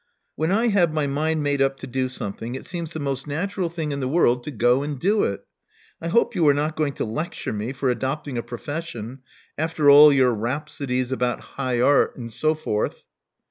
When I have my mind made up to do something, it seems the most natural thing in the world to go and do it. I hope you are not going to lecture me for adopting a profession, after all your rhapsodies about high art and so forth."